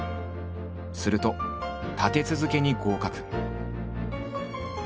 すると立て続けに合格。